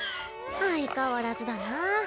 相変わらずだなあ。